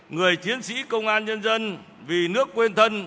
người chiến sĩ công an nhân dân vì nước quên thân